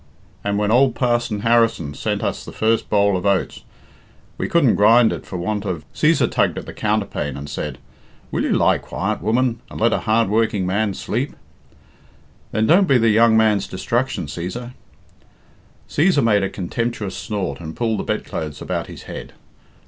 And when ould Parson Harrison sent us the first boll of oats, we couldn't grind it for want of " Cæsar tugged at the counterpane and said, "Will you lie quiet, woman, and let a hard working man sleep?" "Then don't be the young man's destruction, Cæsar." Cæsar made a contemptuous snort, and pulled the bedclothes about his head.